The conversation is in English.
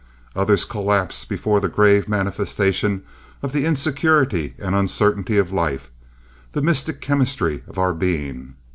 Others collapse before the grave manifestation of the insecurity and uncertainty of life—the mystic chemistry of our being.